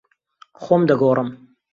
خۆم دەگۆڕم.